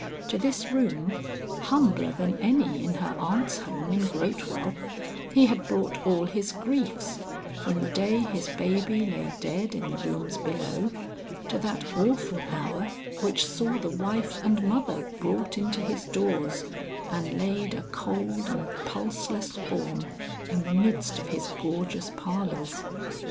To this room, humbler than any in her aunt's home in Grotewell, he had brought all his griefs, from the day his baby lay dead in the rooms below, to that awful hour which saw the wife and mother brought into his doors and laid a cold and pulseless form in the midst of his gorgeous parlors!